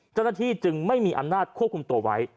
เจ้าหน้าที่จึงไม่มีอำนาจควบคุมตัวไว้